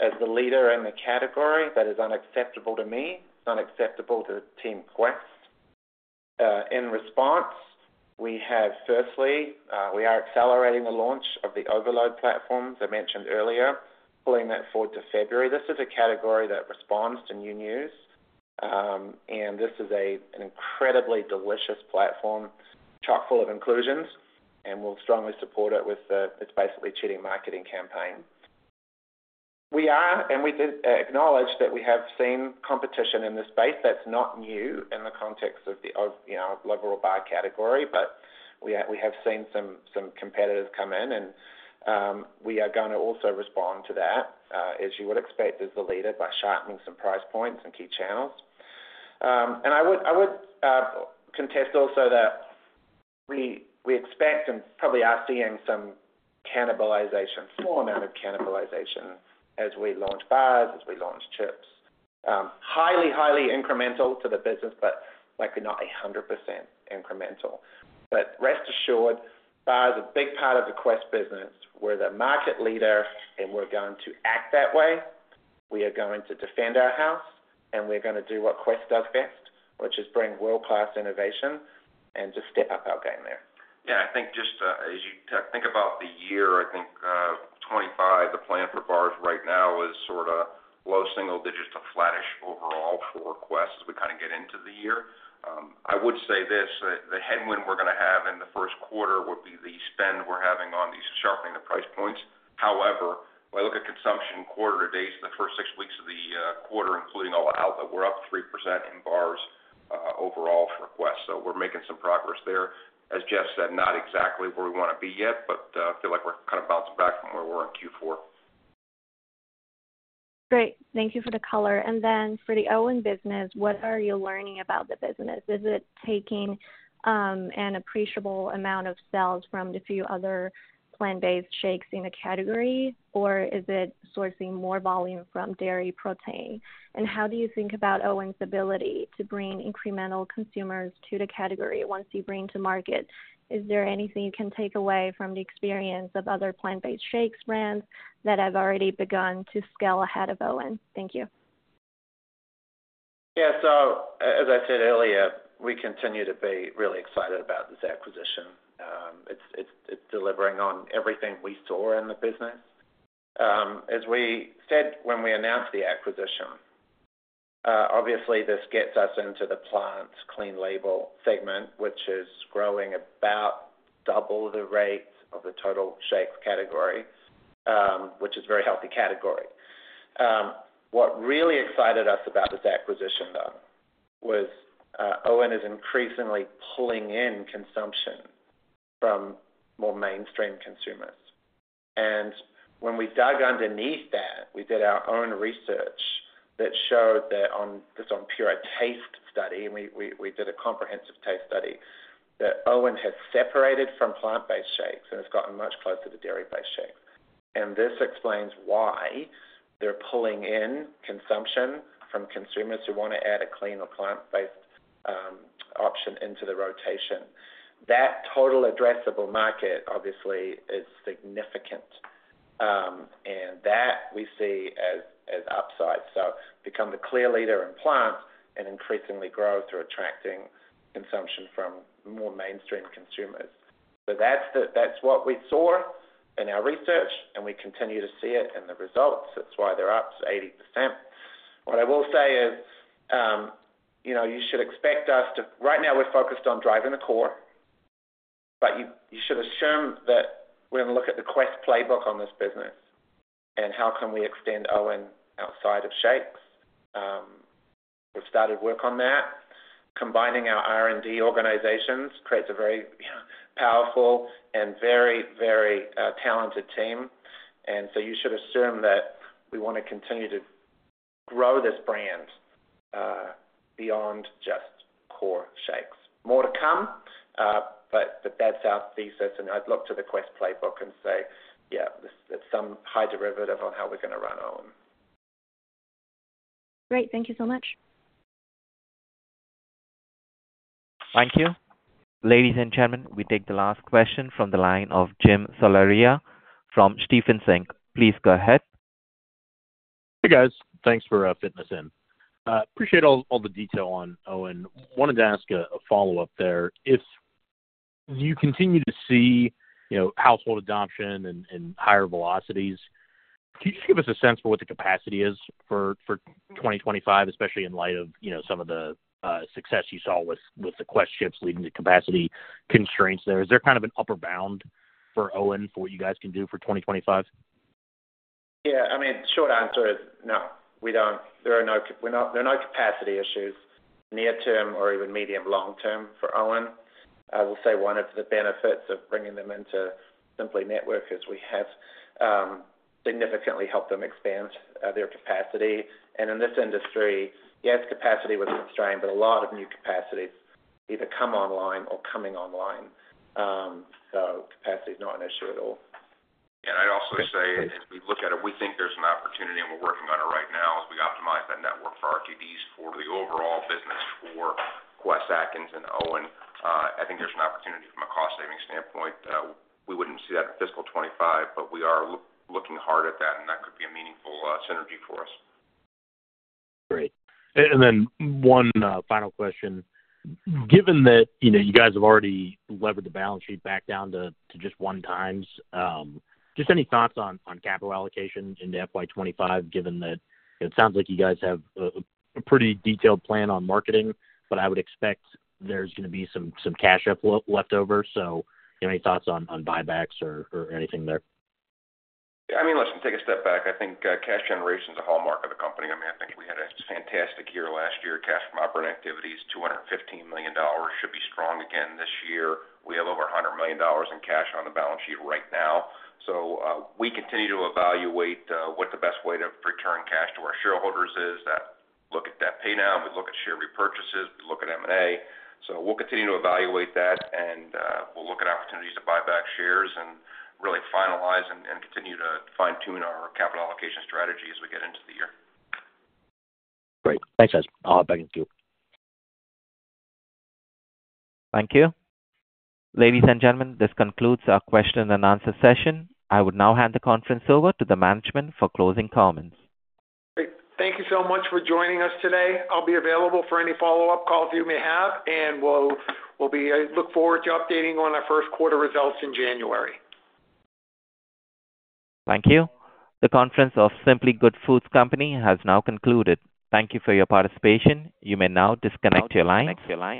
As the leader in the category, that is unacceptable to me, it's unacceptable to Team Quest. In response, we have, firstly, we are accelerating the launch of the Overload platforms I mentioned earlier, pulling that forward to February. This is a category that responds to new news, and this is a, an incredibly delicious platform chock-full of inclusions, and we'll strongly support it with the It's Basically Cheating marketing campaign. We are, and we do acknowledge that we have seen competition in this space. That's not new in the context of the, of, you know, overall bar category, but we have seen some competitors come in, and, we are gonna also respond to that, as you would expect, as the leader, by sharpening some price points in key channels. And I would contest also that we expect and probably are seeing some cannibalization, small amount of cannibalization as we launch bars, as we launch chips. Highly incremental to the business, but likely not 100% incremental. But rest assured, bar is a big part of the Quest business. We're the market leader, and we're going to act that way. We are going to defend our house, and we're gonna do what Quest does best, which is bring world-class innovation and just step up our game there.... Yeah, I think just, as you think about the year, I think, 2025, the plan for bars right now is sort of low single digits to flattish overall for Quest as we kind of get into the year. I would say this, that the headwind we're gonna have in the first quarter would be the spend we're having on these sharpening the price points. However, when I look at consumption quarter to date, the first six weeks of the quarter, including all outlet, we're up 3% in bars, overall for Quest. So we're making some progress there. As Geoff said, not exactly where we wanna be yet, but, I feel like we're kind of bouncing back from where we were in Q4. Great. Thank you for the color. And then for the OWYN business, what are you learning about the business? Is it taking an appreciable amount of sales from the few other plant-based shakes in the category, or is it sourcing more volume from dairy protein? And how do you think about OWYN's ability to bring incremental consumers to the category once you bring to market? Is there anything you can take away from the experience of other plant-based shakes brands that have already begun to scale ahead of OWYN? Thank you. Yeah. So as I said earlier, we continue to be really excited about this acquisition. It's delivering on everything we saw in the business. As we said when we announced the acquisition, obviously this gets us into the plant clean-label segment, which is growing about double the rate of the total shakes category, which is a very healthy category. What really excited us about this acquisition, though, was OWYN is increasingly pulling in consumption from more mainstream consumers. And when we dug underneath that, we did our own research that showed that just on pure taste study, and we did a comprehensive taste study, that OWYN has separated from plant-based shakes and has gotten much closer to dairy-based shakes. This explains why they're pulling in consumption from consumers who wanna add a clean or plant-based option into the rotation. That total addressable market, obviously, is significant, and that we see as upside. Become the clear leader in plants and increasingly grow through attracting consumption from more mainstream consumers. That's the, that's what we saw in our research, and we continue to see it in the results. That's why they're up to 80%. What I will say is, you know, you should expect us to... Right now, we're focused on driving the core, but you should assume that we're going to look at the Quest playbook on this business, and how can we extend OWYN outside of shakes. We've started work on that. Combining our R&D organizations creates a very powerful and very, very talented team. And so you should assume that we wanna continue to grow this brand beyond just core shakes. More to come, but that's our thesis, and I'd look to the Quest playbook and say, "Yeah, this, it's some high derivative on how we're gonna run OWYN. Great. Thank you so much. Thank you. Ladies and gentlemen, we take the last question from the line of Jim Salera from Stephens Inc. Please go ahead. Hey, guys. Thanks for fitting us in. Appreciate all the detail on OWYN. Wanted to ask a follow-up there. If you continue to see, you know, household adoption and higher velocities, can you just give us a sense for what the capacity is for 2025, especially in light of, you know, some of the success you saw with the Quest chips leading to capacity constraints there? Is there kind of an upper bound for OWYN for what you guys can do for 2025? Yeah, I mean, short answer is no, we don't. There are no capacity issues near term or even medium long term for OWYN. I will say one of the benefits of bringing them into Simply Network is we have significantly helped them expand their capacity. And in this industry, yes, capacity was constrained, but a lot of new capacities either come online or coming online. So capacity is not an issue at all. I'd also say, as we look at it, we think there's an opportunity, and we're working on it right now, as we optimize that network for RTDs, for the overall business, for Quest, Atkins, and OWYN. I think there's an opportunity from a cost-saving standpoint. We wouldn't see that in fiscal 2025, but we are looking hard at that, and that could be a meaningful synergy for us. Great. And then one final question. Given that, you know, you guys have already levered the balance sheet back down to just one times, just any thoughts on capital allocations into FY 2025, given that it sounds like you guys have a pretty detailed plan on marketing, but I would expect there's gonna be some cash flow leftover. So any thoughts on buybacks or anything there? I mean, listen, take a step back. I think cash generation is a hallmark of the company. I mean, I think we had a fantastic year last year. Cash from operating activities, $215 million. Should be strong again this year. We have over $100 million in cash on the balance sheet right now. So we continue to evaluate what the best way to return cash to our shareholders is. That, look at debt paydown, we look at share repurchases, we look at M&A. So we'll continue to evaluate that, and we'll look at opportunities to buy back shares and really finalize and continue to fine-tune our capital allocation strategy as we get into the year. Great. Thanks, guys. I'll hop back in queue. Thank you. Ladies and gentlemen, this concludes our question and answer session. I would now hand the conference over to the management for closing comments. Great. Thank you so much for joining us today. I'll be available for any follow-up calls you may have, and we'll be. I look forward to updating on our first quarter results in January. Thank you. The conference of Simply Good Foods Company has now concluded. Thank you for your participation. You may now disconnect your lines.